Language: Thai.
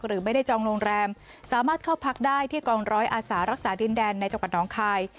หรือไม่ได้จองโรงแรมสามารถเข้าพักได้ที่กองร้อยอาสารักษาดินแดนในจังหวัดน้องคาย